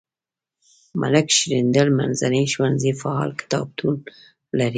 ملک شیریندل منځنی ښوونځی فعال کتابتون لري.